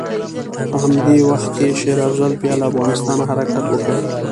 په همدغه وخت کې شېر افضل بیا له افغانستانه حرکت وکړ.